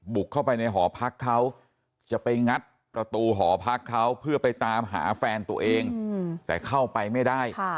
บุกเข้าไปในหอพักเขาจะไปงัดประตูหอพักเขาเพื่อไปตามหาแฟนตัวเองแต่เข้าไปไม่ได้